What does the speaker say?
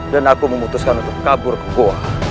dan aku memutuskan untuk kabur ke goa